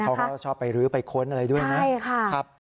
เขาชอบไปลื้อไปค้นอะไรด้วยนะ